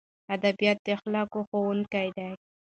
ادبیات د اخلاقو ښوونکي دي.